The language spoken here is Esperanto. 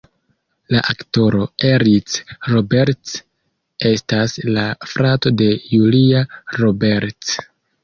La aktoro Eric Roberts estas la frato de Julia Roberts.